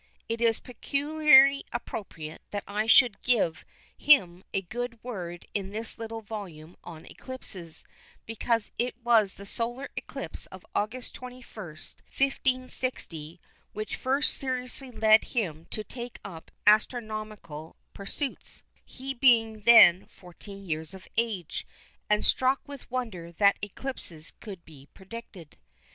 It is peculiarly appropriate that I should give him a good word in this little volume on eclipses, because it was the solar eclipse of Aug. 21, 1560, which first seriously led him to take up astronomical pursuits, he being then 14 years of age, and struck with wonder that eclipses could be predicted.